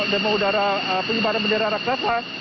demo udara pengibaran bendera raksafah